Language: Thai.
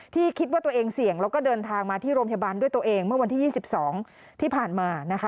คิดว่าตัวเองเสี่ยงแล้วก็เดินทางมาที่โรงพยาบาลด้วยตัวเองเมื่อวันที่๒๒ที่ผ่านมานะคะ